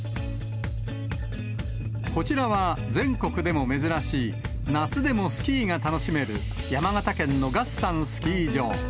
こちらは全国でも珍しい、夏でもスキーが楽しめる、山形県の月山スキー場。